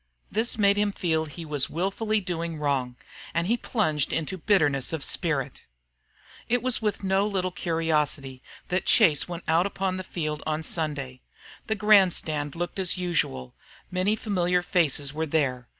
This made him feel he was wilfully doing wrong. And he plunged into bitterness of spirit. It was with no little curiosity that Chase went out upon the field on Sunday. The grandstand looked as usual; many familiar faces were there.